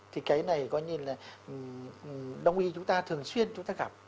thì cái này coi như là đông y chúng ta thường xuyên chúng ta gặp